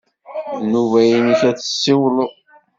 D nnuba-nnek ad d-tessiwled.